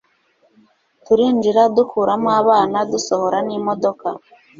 turinjira dukuramo abana dusohora n'imodoka